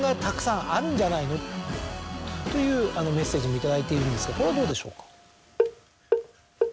というメッセージも頂いているんですがこれはどうでしょうか。